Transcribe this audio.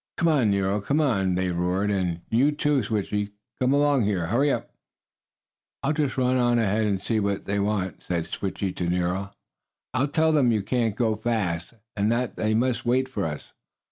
"Come on, Nero! Come on!" they roared. "And you too, Switchie! Come along here! Hurry up!" "I'll just run on ahead and see what they want," said Switchie to Nero. "I'll tell them you can't go fast, and that they must wait for us.